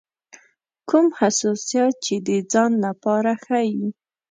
کوم حساسیت چې د ځان لپاره ښيي.